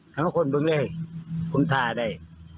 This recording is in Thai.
แล้วคนเบิ่งนี่เติมทาได้